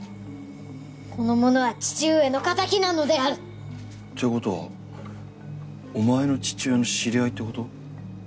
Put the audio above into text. この者は父上の敵なのである！って事はお前の父親の知り合いって事？